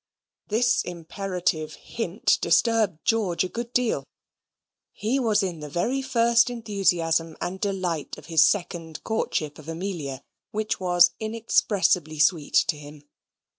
This imperative hint disturbed George a good deal. He was in the very first enthusiasm and delight of his second courtship of Amelia, which was inexpressibly sweet to him.